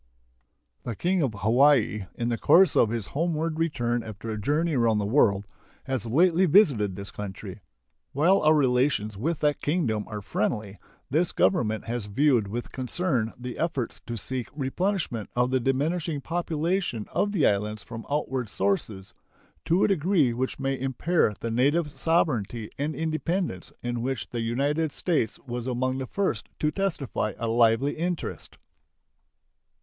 The King of Hawaii, in the course of his homeward return after a journey around the world, has lately visited this country. While our relations with that Kingdom are friendly, this Government has viewed with concern the efforts to seek replenishment of the diminishing population of the islands from outward sources, to a degree which may impair the native sovereignty and independence, in which the United States was among the first to testify a lively interest.